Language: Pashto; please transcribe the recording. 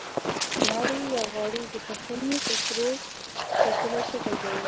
نارې یا غاړې د پښتني فوکلور سپېڅلی شکل دی.